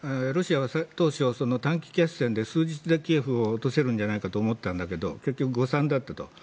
ロシアは当初短期決戦で数日でキエフを落とせるんじゃないかと思ったんだけど結局、誤算だったと。